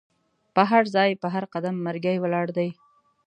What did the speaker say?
په هرځای په هر قدم مرګی ولاړ دی